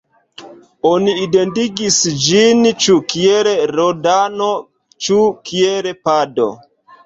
Oni identigis ĝin ĉu kiel Rodano, ĉu kiel Pado.